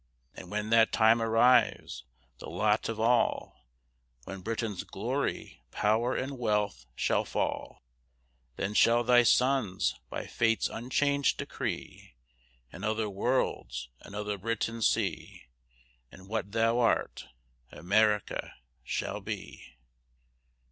And when that time arrives, the lot of all, When Britain's glory, power and wealth shall fall; Then shall thy sons by Fate's unchanged decree In other worlds another Britain see, And what thou art, America shall be.